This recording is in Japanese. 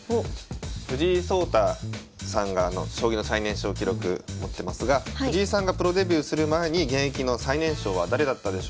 藤井聡太さんが将棋の最年少記録持ってますが藤井さんがプロデビューする前に現役の最年少は誰だったでしょうか。